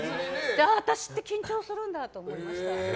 私って緊張するんだって思いました。